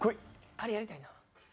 あれやりたいな。